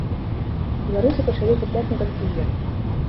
Беларусы пачалі купляць не толькі ежу.